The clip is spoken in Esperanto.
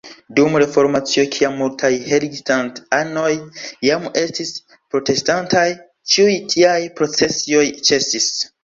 Dum Reformacio, kiam multaj heiligenstadt-anoj jam estis protestantaj, ĉiuj tiaj procesioj ĉesis.